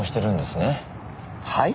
はい？